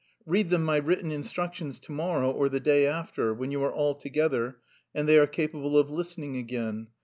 Read them my written instructions to morrow, or the day after, when you are all together and they are capable of listening again...